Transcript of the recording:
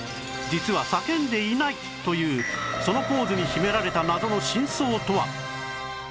実は叫んでいないというそのポーズに秘められた謎の真相とは？